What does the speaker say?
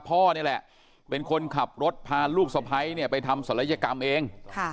พ่อนี่แหละเป็นคนขับรถพาลูกสะพ้ายเนี่ยไปทำศัลยกรรมเอง